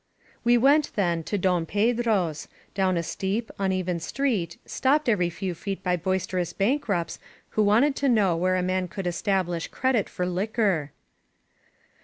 We went, then, to Don Pedro's, down a steep, un even street, stopped every few feet by boisterous bank rupts who wanted to know where a man could estab lish credit for liquor.